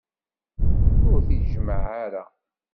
Ur t-id-jemmeε ara.